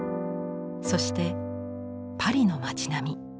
そしてパリの町並み。